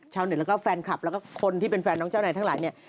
แล้วก็แฟนคลับแล้วก็คนที่เป็นแฟนน้องเจ้านายทั้งหลายเนี่ย